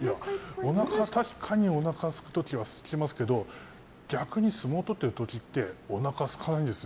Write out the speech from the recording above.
確かにおなかすく時はすきますけど逆に相撲を取ってるときっておなかすかないんです。